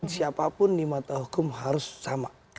siapapun di mata hukum harus sama